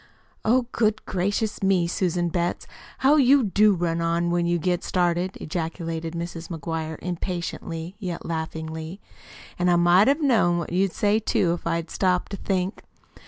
"Oh, good gracious me, Susan Betts, how you do run on, when you get started!" ejaculated Mrs. McGuire impatiently, yet laughingly. "An' I might have known what you'd say, too, if I'd stopped to think.